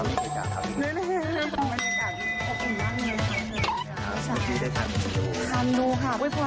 อันนี้พอมาเกียจจากนิดหนึ่ง